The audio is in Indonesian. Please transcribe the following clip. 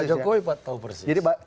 pak jokowi tahu persis